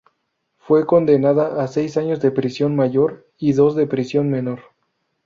Fue condenada a seis años de prisión mayor y dos de prisión menor.